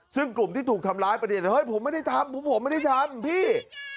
ซึ่งกลุ่มที่ถูกทำร้ายประเด็นเฮ้ยผมไม่ได้ทำผมไม่ได้ทำพี่